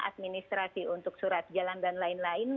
administrasi untuk surat jalan dan lain lain